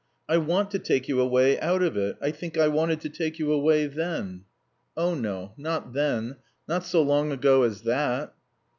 I want to take you away out of it. I think I wanted to take you away then." "Oh, no. Not then. Not so long ago as that."